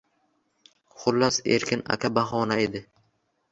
Xullas, Erkin aka bahona edi.